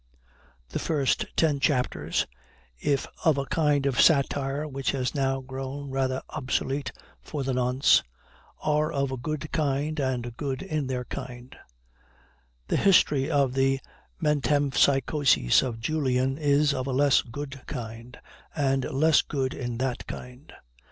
The first ten chapters, if of a kind of satire which has now grown rather obsolete for the nonce, are of a good kind and good in their kind; the history of the metempsychoses of Julian is of a less good kind, and less good in that kind.